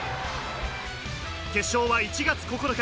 決勝は１月９日。